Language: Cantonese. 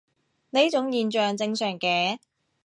呢種現象正常嘅